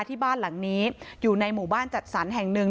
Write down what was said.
ที่บ้านหลังนี้อยู่ในหมู่บ้านจัดสรรแห่งหนึ่ง